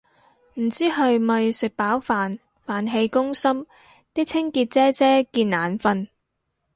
唔知係咪食飽飯，飯氣攻心啲清潔姐姐見眼訓